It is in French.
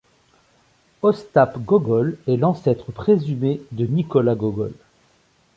Ostap Gogol est l'ancêtre présumé de Nicolas Gogol.